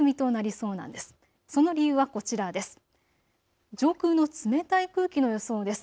その理由はこちらです。